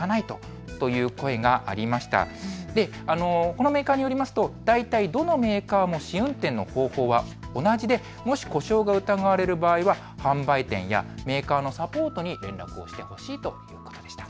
このメーカーによると大体どのメーカーも同じでもし故障が疑われる場合は販売店やメーカーのサポートに連絡をしてほしいということでした。